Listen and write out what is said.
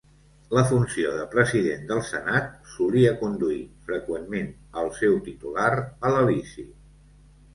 La funció de president del Senat solia conduir freqüentment al seu titular a l'Elisi.